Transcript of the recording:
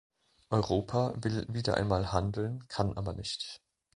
Europa will wieder einmal handeln, kann aber nicht.